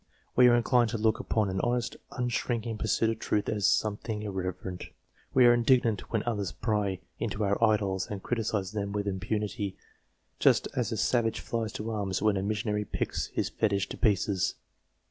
We are inclined to look upon an honest, unshrink ing pursuit of truth as something irreverent. We are indignant when others pry into our idols, and criticise them with impunity, just as a savage flies to arms when a missionary picks his fetish to pieces.